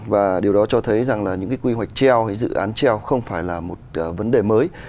và điều đó cho thấy rằng là những cái quy hoạch treo hay dự án treo không phải là một vấn đề mới